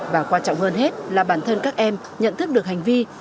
và quan trọng hơn hết là bản thân các em nhận thức được hành vi